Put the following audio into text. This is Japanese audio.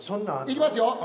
いきますよ。